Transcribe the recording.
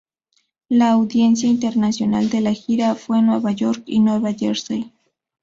Las audiencia internacional de la gira fue en Nueva York y Nueva Jersey.